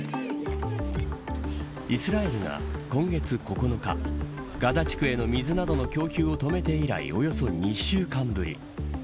イスラエルが今月９日ガザ地区への水などの供給を止めて以来およそ２週間ぶり。